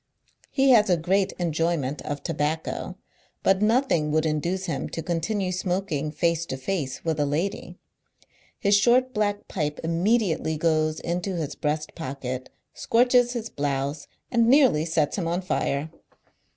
He has a great enjoyment of tobacco, but nothing would induce him to continue smoking face to face with a lady. His short black pipe immediately goes into his breast pocket, scoi'ches his blouse, and nearly sets him on lire.